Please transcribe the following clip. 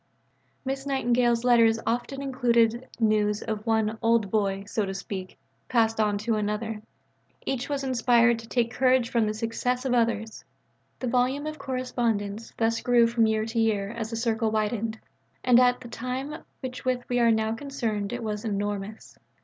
Miss Nightingale's letters often included news of one "old boy," so to speak, passed on to another; each was inspired to take courage from the success of others. The volume of correspondence thus grew from year to year, as the circle widened, and at the time with which we are now concerned it was enormous.